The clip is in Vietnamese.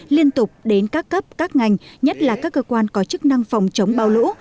liên tục đến các cấp các ngành nhất là các cơ quan có chức năng phòng chống bão lũ